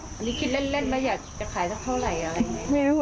อันนี้คิดเล่นมาอยากจะขายเท่าไหร่